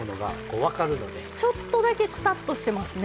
ちょっとだけくたっとしてますね。